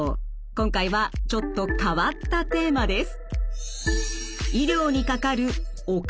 今回はちょっと変わったテーマです。